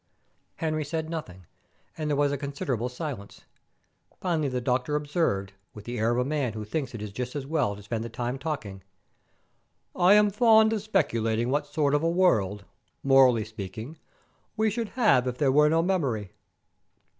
Henry said nothing, and there was a considerable silence. Finally the doctor observed, with the air of a man who thinks it just as well to spend the time talking "I am fond of speculating what sort of a world, morally speaking, we should have if there were no memory.